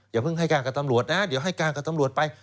อย่าเพิ่งให้การกับตำรวจนะเดี๋ยวให้การกับตำรวจไป